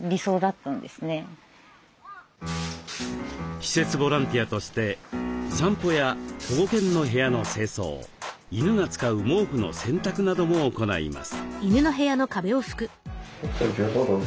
施設ボランティアとして散歩や保護犬の部屋の清掃犬が使う毛布の洗濯なども行います。